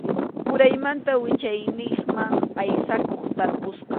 Uraymanta wichayniqman aysakuq tarpusqa.